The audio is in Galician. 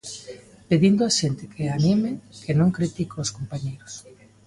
Pedindo á xente que anime, que non critique os compañeiros.